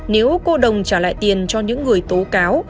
nếu cô đồng trả lại tiền cho những người tố cáo